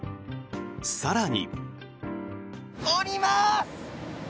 更に。